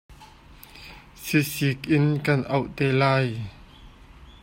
Sisik in kan auh te lai.